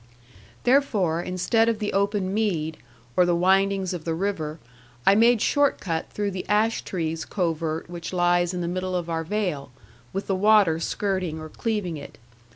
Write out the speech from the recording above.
'Therefore, instead of the open mead, or the windings of the river, I made short cut through the ash trees covert which lies in the middle of our vale, with the water skirting or cleaving it.